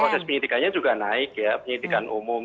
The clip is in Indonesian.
proses penyidikannya juga naik ya penyidikan umum